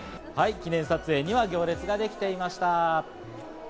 記念撮影には行列ができていました。